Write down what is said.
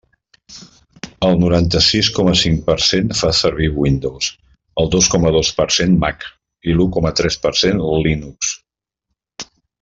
El noranta-sis coma cinc per cent fa servir Windows, el dos coma dos per cent Mac i l'u coma tres per cent Linux.